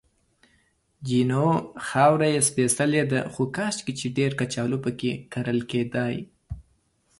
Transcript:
جینو: خاوره یې سپېڅلې ده، خو کاشکې چې ډېرې کچالو پکې کرل کېدای.